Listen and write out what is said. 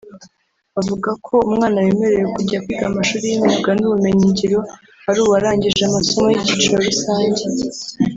Avuga ko umwana wemerewe kujya kwiga amashuri y’imyuga n’ubumenyi ngiro ari uwarangije amasomo y’ikiciro rusange